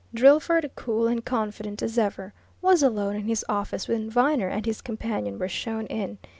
Drillford, cool and confident as ever, was alone in his office when Viner and his companion were shown in.